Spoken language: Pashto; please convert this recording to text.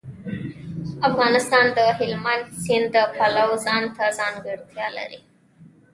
افغانستان د هلمند سیند د پلوه ځانته ځانګړتیا لري.